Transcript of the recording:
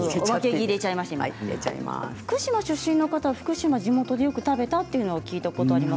福島出身の方は地元でよく食べたというのを聞いたことあります。